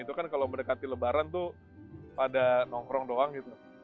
itu kan kalau mendekati lebaran tuh pada nongkrong doang gitu